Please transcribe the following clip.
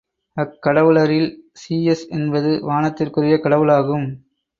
அக்கடவுளரில் Zeus என்பது வானத்திற்குரிய கடவுளாகும்.